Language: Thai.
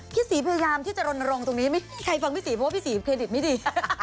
พี่ศรีพยายามที่จะรณรงค์ตรงนี้ไม่มีใครฟังพี่ศรีเพราะว่าพี่ศรีเครดิตไม่ดี